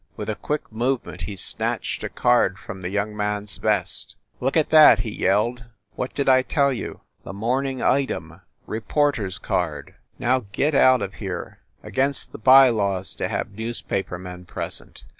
With a quick movement he snatched a card from the young man s vest. "Look at that !" he yelled. "What did I tell you? The Morning Item reporter s card! THE LIARS CLUB 67 Now get out of here ! Against the by laws to have newspaper men present.